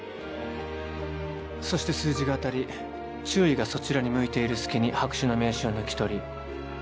そして数字が当たり注意がそちらに向いている隙に白紙の名刺を抜き取り。